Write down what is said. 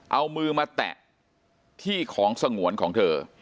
เอามือมาแตะที่ของสงวนของเธอ